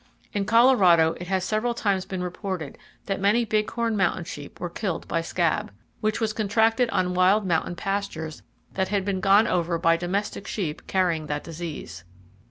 In Colorado it has several times been reported that many bighorn mountain sheep were killed by "scab," which was contracted on wild mountain pastures that had been gone over by domestic sheep carrying that disease.